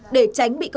để tránh bị tiêu giải